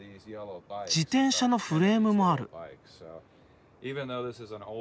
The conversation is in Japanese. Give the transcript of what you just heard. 自転車のフレームもある。